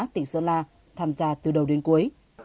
tỉnh sơn la tham gia từ đầu đến cuối